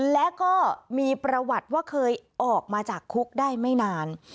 และก็มีประวัติว่าเคยออกมาจากคุกได้ไม่นาน